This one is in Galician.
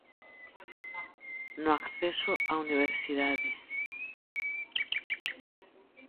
No acceso á universidade.